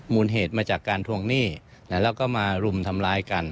เหตุมาจากการทวงหนี้แล้วก็มารุมทำร้ายกัน